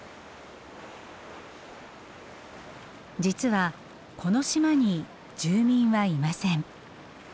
実はこの島に住民はいません。